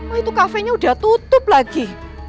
oh itu kafenya udah tutup lagi